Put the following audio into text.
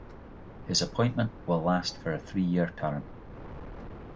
His appointment will last for a three-year term.